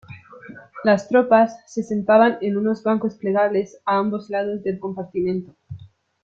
Las tropas, se sentaban en unos bancos plegables a ambos lados del compartimento.